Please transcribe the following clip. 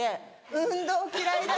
運動嫌いだし。